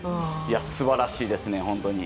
素晴らしいですね、本当に。